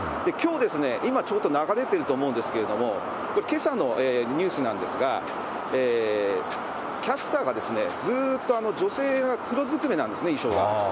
きょう、今、ちょっと流れていると思うんですけれども、けさのニュースなんですが、キャスターが、ずっと女性が黒ずくめなんですね、衣装が。